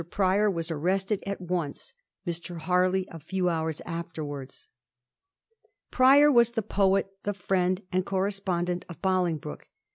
Prior was arrested at once ; Mr. Harley a few hours afterwards. Prior was the poet, the Mend and correspondent of Bolingbroke.